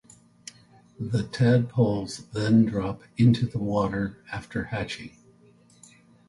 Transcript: The tadpoles then drop into the water after hatching.